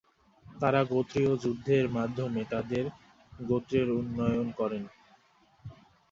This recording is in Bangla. তারা গোত্রীয় যুদ্ধের মাধ্যমে তাদের গোত্রের উন্নয়ন করেন।